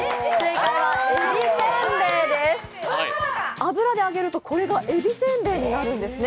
油で揚げると、これがえびせんべいになるんですね。